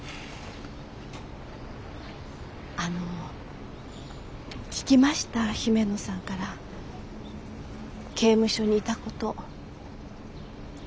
あの聞きました姫野さんから刑務所にいたこと。